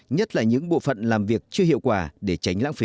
nhất là những bộ phận làm việc chưa hiệu quả để tránh lãng phí